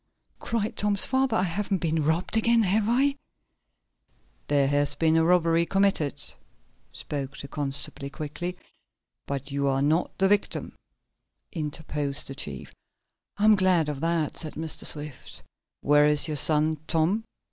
cried Tom's father. "I haven't been robbed again, have I?' "There has been a robbery committed," spoke the constable quickly. "But you are not the victim," interposed the chief. "I'm glad of that," said Mr. Swift. "Where is your son, Tom?"